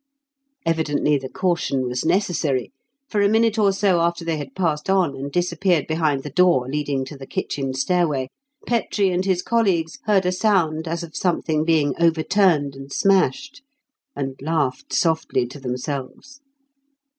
Evidently the caution was necessary, for a minute or so after they had passed on and disappeared behind the door leading to the kitchen stairway, Petrie and his colleagues heard a sound as of something being overturned and smashed, and laughed softly to themselves.